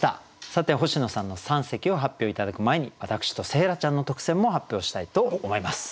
さて星野さんの三席を発表頂く前に私と星来ちゃんの特選も発表したいと思います。